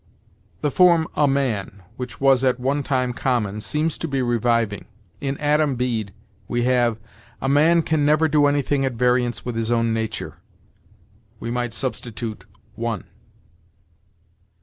"The form 'a man,' which was at one time common, seems to be reviving. In 'Adam Bede' we have, 'A man can never do anything at variance with his own nature.' We might substitute 'one.'